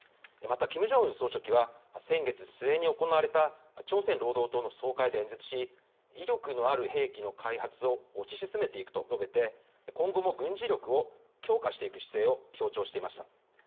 またキム・ジョンウン総書記は先月末に行われた朝鮮労働党の総会で演説し、威力のある兵器の開発を推し進めていくと述べて今後も軍事力を強化していく姿勢を強調していました。